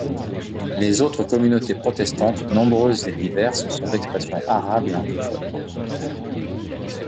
Les autres communautés protestantes, nombreuses et diverses sont d'expression arabe et anglophone.